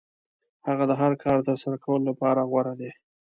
هغه د هر کار ترسره کولو لپاره غوره دی.